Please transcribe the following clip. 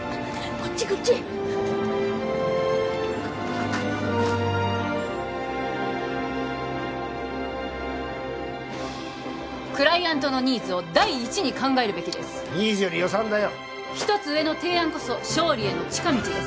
こっちクライアントのニーズを第一に考えるべきですニーズより予算だよ一つ上の提案こそ勝利への近道です